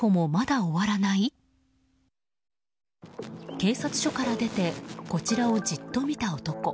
警察署から出てこちらをじっと見た男。